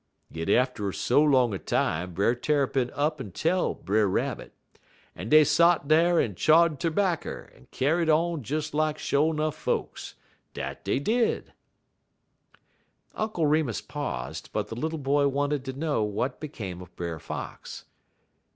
"Yit atter so long a time, Brer Tarrypin up'n tell Brer Rabbit, en dey sot dar en chaw'd terbacker en kyar'd on des lak sho' 'nuff folks. Dat dey did!" Uncle Remus paused; but the little boy wanted to know what became of Brer Fox.